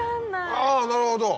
あっなるほど。